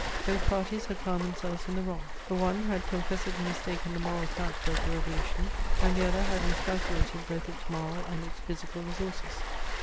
Both parties had found themselves in the wrong. The one had confessedly mistaken the moral character of the revolution, and the other had miscalculated both its moral and its physical resources.